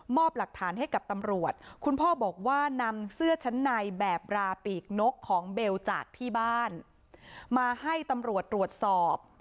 หลักฐานให้กับตำรวจคุณพ่อบอกว่านำเสื้อชั้นในแบบราปีกนกของเบลจากที่บ้านมาให้ตำรวจตรวจสอบ